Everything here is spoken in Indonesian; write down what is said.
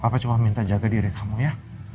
bapak cuma minta jaga diri kamu ya